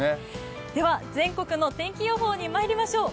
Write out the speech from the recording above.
では全国の天気予報にまいりましょう。